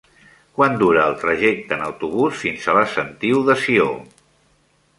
Quant dura el trajecte en autobús fins a la Sentiu de Sió?